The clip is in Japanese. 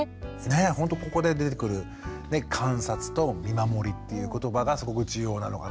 ほんとここで出てくる観察と見守りっていうことばがすごく重要なのかなっていう。